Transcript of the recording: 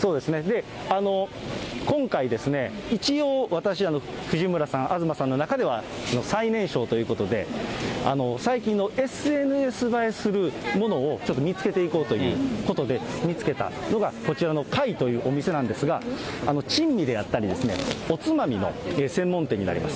今回、一応、私、藤村さん、東さんの中では最年少ということで、最近のＳＮＳ映えするものをちょっと見つけていこうということで、見つけたのが、こちらの櫂というお店なんですが、珍味であったりおつまみの専門店になります。